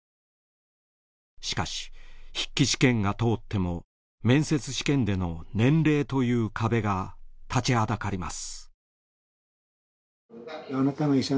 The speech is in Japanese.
しかし筆記試験が通っても面接試験での年齢という壁が立ちはだかります。